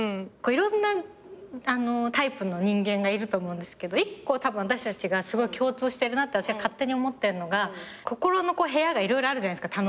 いろんなタイプの人間がいると思うんですけど１個私たちが共通してるなって私が勝手に思ってるのが心の部屋が色々あるじゃないですか。